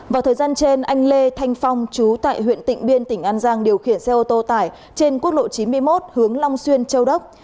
vào thời gian trên anh lê thanh phong chú tại huyện tịnh biên tỉnh an giang điều khiển xe ô tô tải trên quốc lộ chín mươi một hướng long xuyên châu đốc